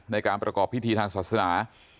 ในการประกอบพิธีทางศาสนา